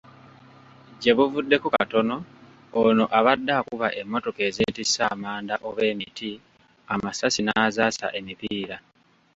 Gyebuvuddeko katono, ono abadde akuba emmotoka ezeetisse amanda oba emiti, amasasi n'azaasa emipiira.